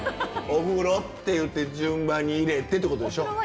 お風呂っていって順番に入れてってことでしょ。